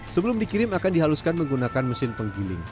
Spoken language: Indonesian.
sebelum dikirim akan dihaluskan menggunakan mesin penggiling